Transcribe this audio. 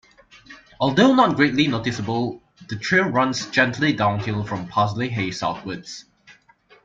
Although not greatly noticeable, the trail runs gently downhill from Parsley Hay southwards.